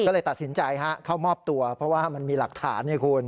ก็เลยตัดสินใจเข้ามอบตัวเพราะว่ามันมีหลักฐานไงคุณ